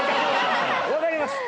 分かります。